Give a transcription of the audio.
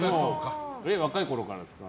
若いころからですか？